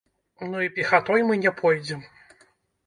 Ну і пехатой мы не пойдзем.